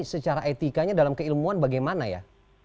secara etikanya dalam keilmuan bagaimana ya